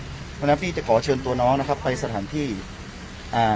เพราะฉะนั้นพี่จะขอเชิญตัวน้องนะครับไปสถานที่อ่า